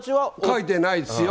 書いてないですよ。